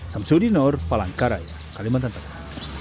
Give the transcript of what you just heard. samsudi nor palangkarai kalimantan tengah